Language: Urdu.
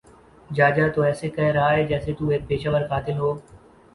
جاجا تو ایسے کہ رہا ہے جیسے تو ایک پیشہ ور قاتل ہو